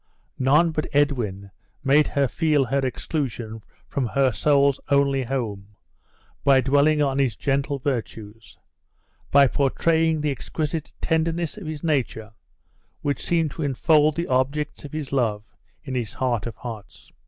None but Edwin made her feel her exclusion from her soul's only home, by dwelling on his gentle virtues; by portraying the exquisite tenderness of his nature, which seemed to enfold the objects of his love in his heart of hearts.